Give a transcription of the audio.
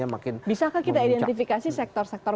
makin memuncak bisa kita identifikasi sektor sektor